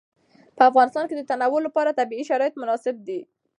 په افغانستان کې د تنوع لپاره طبیعي شرایط مناسب دي.